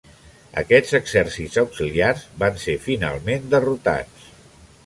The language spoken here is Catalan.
Aquests exèrcits auxiliars van ser finalment derrotats.